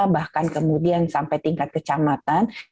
bahkan kemudian sampai tingkat kecamatan